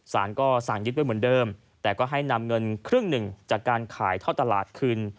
สารก็สั่งยึดไว้เหมือนเดิมแต่ก็ให้นำเงินครึ่งหนึ่งจากการขายท่อตลาดคืน